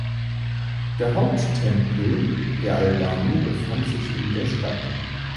Der Haupttempel der Albani befanden sich in der Stadt.